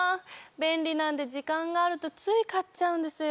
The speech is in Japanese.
便利なんで時間があるとつい買っちゃうんですよ。